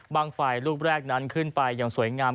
ไฟลูกแรกนั้นขึ้นไปอย่างสวยงาม